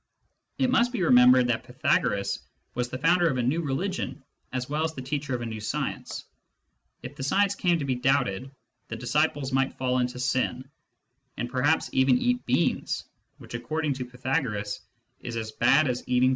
It must be remembered that Pythagoras was the founder of a new religion as well as the teacher of a new science : if the science came to be doubted, the disciples might fall into sin, and perhaps even eat beans, which according to Pythagoras is as bad as eating parents' bones.